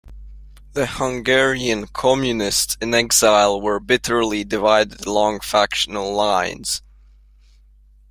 The Hungarian Communists in exile were bitterly divided along factional lines.